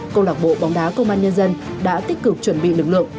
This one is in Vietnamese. công lạc bộ bóng đá công an nhân dân đã tích cực chuẩn bị lực lượng